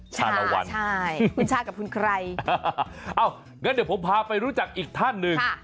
ชาละวันใช่คุณชากับคุณใครเอางั้นเดี๋ยวผมพาไปรู้จักอีกท่านหนึ่ง